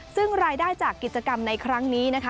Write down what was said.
ซึ่งรายได้จากกิจกรรมในครั้งนี้นะคะ